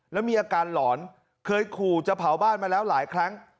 แล้วมีอาการหลอนเคยขู่จะเผาบ้านมาแล้วหลายครั้ง